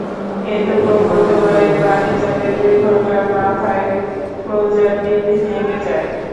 কিন্তু প্রবল জোয়ারের পানির চাপে দুই ঘণ্টার মাথায় ক্লোজারটি ভেঙে যায়।